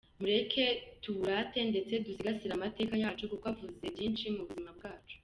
Mureke tuwurate ndetse dusigasire amateka yacu kuko avuze byinshi mu buzima bwacu.